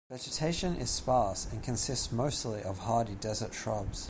Vegetation is sparse and consists mostly of hardy desert shrubs.